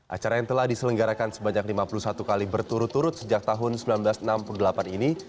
acara yang telah diselenggarakan sebanyak lima puluh satu kali berturut turut sejak tahun seribu sembilan ratus enam puluh delapan ini